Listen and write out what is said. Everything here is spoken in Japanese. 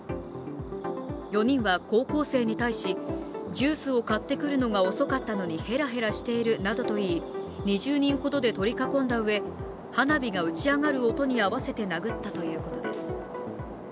４人は高校生に対し、ジュースを買ってくるのが遅かったのにヘラヘラしているなどと言い、２０人ほどで取り囲んだうえ、花火が打ち上がる音に合わせて殴ったということです。